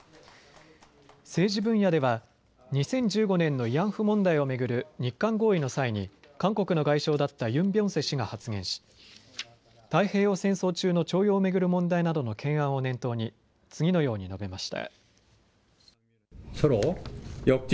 政治分野では２０１５年の慰安婦問題を巡る日韓合意の際に韓国の外相だったユン・ビョンセ氏が発言し太平洋戦争中の徴用を巡る問題などの懸案を念頭に次のように述べました。